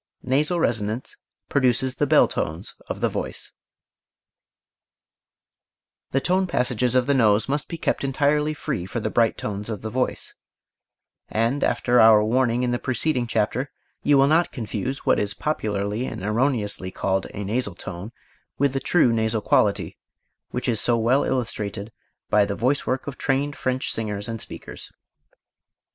Nasal Resonance Produces the Bell tones of the Voice The tone passages of the nose must be kept entirely free for the bright tones of voice and after our warning in the preceding chapter you will not confuse what is popularly and erroneously called a "nasal" tone with the true nasal quality, which is so well illustrated by the voice work of trained French singers and speakers.